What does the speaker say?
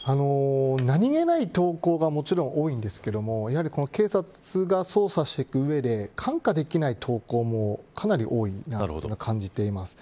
何気ない投稿が多いんですけどもちろん警察が捜査していく上で看過できない投稿もかなり多いなと感じています。